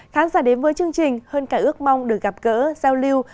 khán giả đến với chương trình hơn cả ước mong được gặp gỡ giao lưu